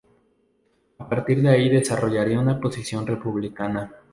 A partir de ahí desarrollaría una posición republicana.